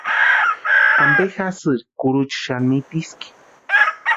¿Ampe jasïri kurucha xani mitiski?